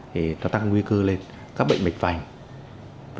thì nó tăng nguy cơ lên các bệnh mạch vành